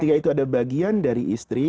kemudian dari istri